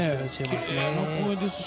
きれいな声ですね。